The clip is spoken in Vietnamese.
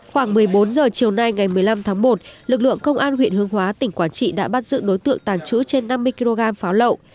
khoảng một mươi bốn giờ chiều nay ngày một mươi năm tháng một lực lượng công an huyện hương hóa tỉnh quản trị đã bắt dự đối tượng tàn trữ trên năm mươi kg pháo lậu